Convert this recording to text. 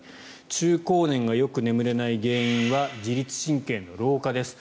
中高年がよく眠れない原因は自律神経の老化です。